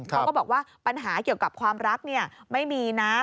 เขาก็บอกว่าปัญหาเกี่ยวกับความรักไม่มีนะ